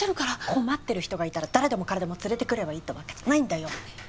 困ってる人がいたら誰でも彼でも連れてくればいいってわけじゃないんだよ！